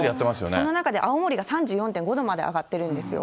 その中で青森が３４．５度まで上がってるんですよ。